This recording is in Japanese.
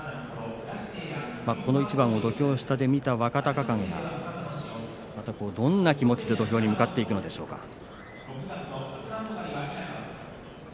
この一番を土俵下で見た若隆景がどんな気持ちで土俵に向かっていくんでしょうか。